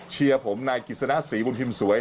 เชียร์ผมนายกิจสนะศรีบุญพิมพ์สวย